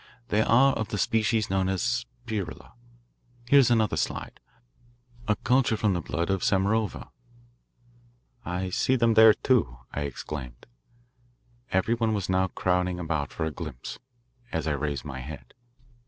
"They are of the species known as Spirilla. Here is another slide, a culture from the blood of Samarova." "I see them there, too," I exclaimed. Every one was now crowding about for a glimpse, as I raised my head.